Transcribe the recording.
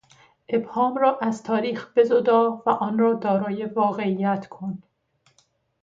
ابهام را از تاریخ بزدا و آن را دارای واقعیت کن.